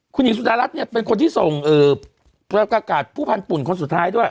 คุณหญิงสุดารัฐเป็นคนที่ส่งผู้พันธ์ปุ่นคนสุดท้ายด้วย